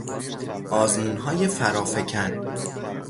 آزمونهای فرافکن